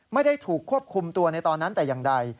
ไม่ได้ถูกควบคุมตัวในตอนนั้นแต่อย่างใด